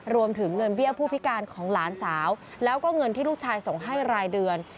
รวมถึงเงินเบี้ยผู้พิการของหลานสาวแล้วก็เงินที่ลูกชายส่งให้รายเดือน